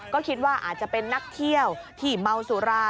ก็คิดว่าอาจจะเป็นนักเที่ยวที่เมาสุรา